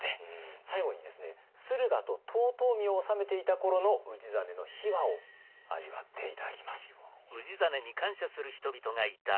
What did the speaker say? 最後にですね駿河と遠江を治めていた頃の氏真の秘話を味わって頂きます。